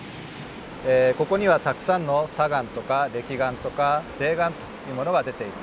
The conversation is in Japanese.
ここにはたくさんの砂岩とかれき岩とか泥岩というものが出ています。